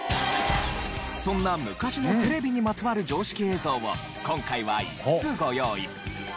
そんな昔のテレビにまつわる常識映像を今回は５つご用意。